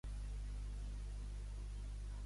Quins països ja ha visitat Puigdemont?